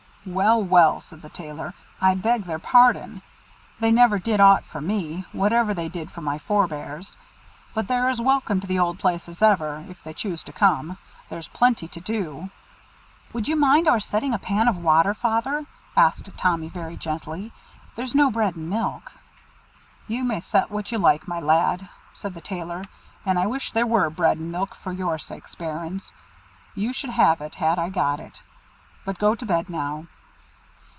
"Well, well," said the Tailor, "I beg their pardon. They never did aught for me, whatever they did for my forbears; but they're as welcome to the old place as ever, if they choose to come. There's plenty to do." "Would you mind our setting a pan of water, Father?" asked Tommy very gently. "There's no bread and milk." "You may set what you like, my lad," said the Tailor; "and I wish there were bread and milk for your sakes, bairns. You should have it, had I got it. But go to bed now."